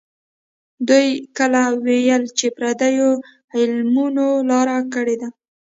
دوی کله ویل چې پردیو علمونو لاره کړې ده.